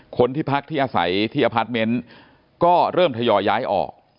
คนที่พักที่อาศัยที่อพาร์ทเมนต์ก็เริ่มทยอยย้ายออก